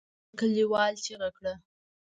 بل کليوال چيغه کړه.